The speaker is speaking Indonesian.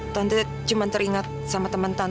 tante cuma teringat sama teman tante